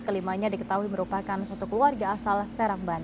kelimanya diketahui merupakan satu keluarga asal serang banten